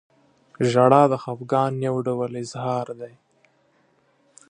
• ژړا د خفګان یو ډول اظهار دی.